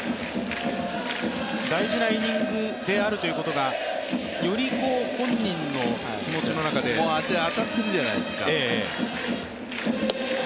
大事なイニングであるということが、より本人の気持ちの中でもう当たってるじゃないですか。